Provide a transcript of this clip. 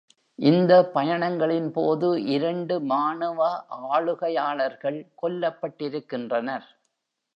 இந்த பயணங்களின்போது இரண்டு மாணவ ஆளுகையாளர்கள் கொல்லப்பட்டிருக்கின்றனர்.